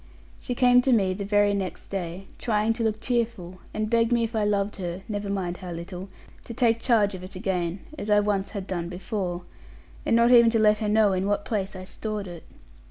She came to me the very next day, trying to look cheerful, and begged me if I loved her (never mind how little) to take charge of it again, as I once had done before, and not even to let her know in what place I stored it.